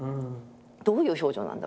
どういう表情なんだ